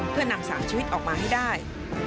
เพื่อนำ๓ชีวิตออกมาให้ได้